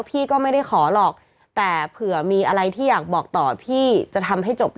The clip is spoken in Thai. พี่ก็ไม่ได้ขอหรอกแต่เผื่อมีอะไรที่อยากบอกต่อพี่จะทำให้จบ